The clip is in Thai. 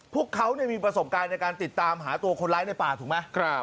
พวกเขามีประสบการณ์ในการติดตามหาตัวคนร้ายในป่าถูกไหม